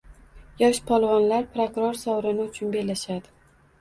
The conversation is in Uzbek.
Yosh polvonlar prokuror sovrini uchun bellashadi